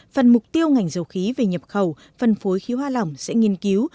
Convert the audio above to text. phần mục tiêu ngành dầu khí về nhập khẩu phân phối khí hoa lỏng sẽ nghiên cứu